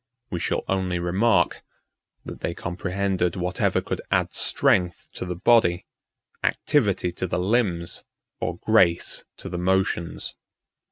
We shall only remark, that they comprehended whatever could add strength to the body, activity to the limbs, or grace to the motions.